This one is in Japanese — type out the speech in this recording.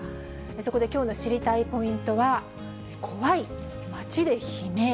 そこできょうの知りたいポイントは、怖い、街で悲鳴。